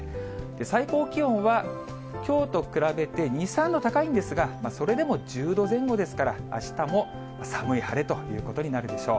最高気温は、きょうと比べて２、３度高いんですが、それでも１０度前後ですから、あしたも寒い晴れということになるでしょう。